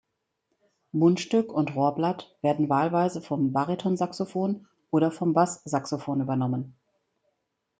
Mundstück und Rohrblatt werden wahlweise vom Baritonsaxophon oder vom Basssaxophon übernommen.